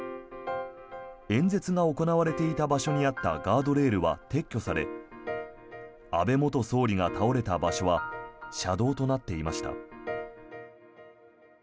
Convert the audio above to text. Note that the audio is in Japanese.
演説が行われていた場所にあったガードレールは撤去され安倍元総理が倒れた場所は車道となっていました。